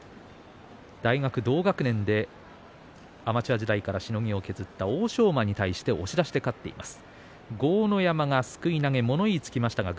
大学、同学年でアマチュア時代からしのぎを削った欧勝馬を押し出して勝ちました。